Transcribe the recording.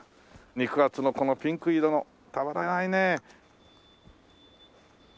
肉厚のこのピンク色のたまらないね。